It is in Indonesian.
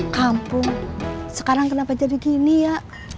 kampung sekarang kenapa jadi gini ya